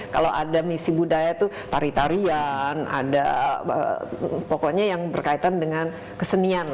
kalau ada misi budaya itu tari tarian ada pokoknya yang berkaitan dengan kesenian